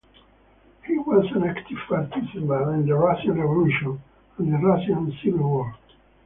He was an active participant in the Russian Revolution and the Russian Civil War.